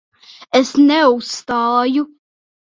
Es neuzstāju.